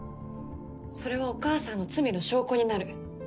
それはお母さんの罪の証拠になる。